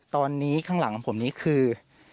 ตอนนี้ข้างหลังของผมนี้คือ